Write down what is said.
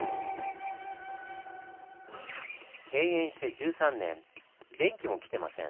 閉園して１３年電気も来てません。